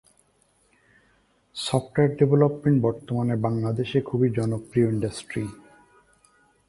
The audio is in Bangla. মোৎসার্ট এরপর আর অর্থ ধার করেননি এবং ধারের অর্থও শোধ করে দেন।